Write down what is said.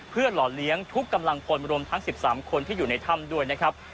เพื่อหล่อเลี้ยงทุกกำลังพลรวมทั้ง๑๓คนที่อยู่ในถ้ำด้วยนะครับ